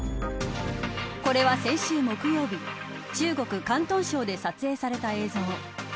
これは先週木曜日中国、広東省で撮影された映像。